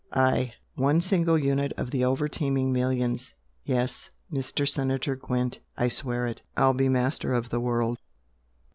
I! One single unit of the overteeming millions! Yes, Mr. Senator Gwent, I swear it! I'll be master of the world!"